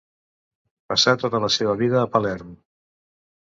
Passà tota la seva vida a Palerm.